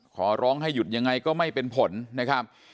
ขอร้องให้หยุดยังไงก็ไม่เป็นผลนะครับ